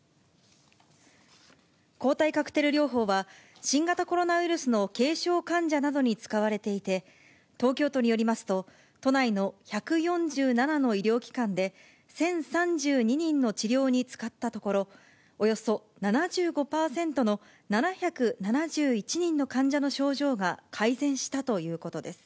抗体カクテル療法は、新型コロナウイルスの軽症患者などに使われていて、東京都によりますと、都内の１４７の医療機関で、１０３２人の治療に使ったところ、およそ７５％の７７１人の患者の症状が改善したということです。